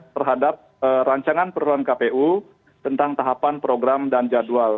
terhadap rancangan peraturan kpu tentang tahapan program dan jadwal